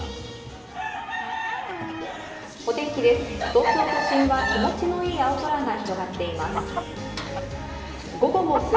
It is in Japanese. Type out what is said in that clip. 東京都心は気持ちの良い青空が広がっています。